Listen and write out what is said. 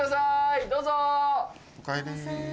どうぞ。